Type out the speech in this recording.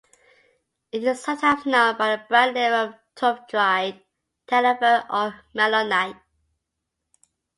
It is sometimes known by the brand name of Tufftride, Tenifer or Melonite.